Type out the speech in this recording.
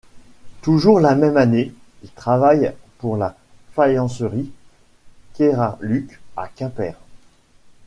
Toujours la même année, il travaille pour la faïencerie Keraluc à Quimper.